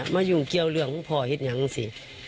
มาอยู่เกี่ยวเรืองเพิ่งพอเห็นอย่างสิ